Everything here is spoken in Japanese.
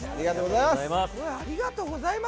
ありがとうございます！